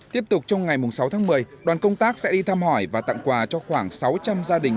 tiếp tục trong ngày sáu tháng một mươi đoàn công tác sẽ đi thăm hỏi và tặng quà cho khoảng sáu trăm linh gia đình